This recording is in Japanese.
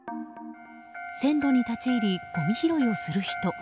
線路に立ち入りごみ拾いをする人。